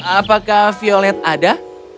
apakah violet ada